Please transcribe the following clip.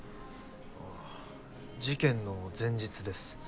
ああ事件の前日です。